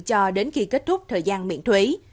cho đến khi kết thúc thời gian miễn thuế